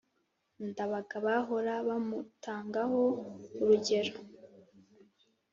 Ndabaga bahora bamutangaho urugero